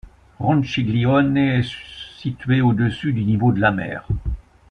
Ronciglione est situé au-dessus du niveau de la mer.